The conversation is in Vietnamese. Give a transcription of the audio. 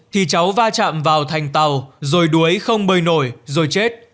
thì cháu va chạm vào thành tàu rồi đuối không bơi nổi rồi chết